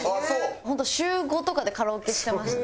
本当週５とかでカラオケしてました。